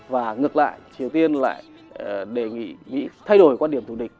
và ngược lại triều tiên lại đề nghị mỹ thay đổi quan điểm thủ địch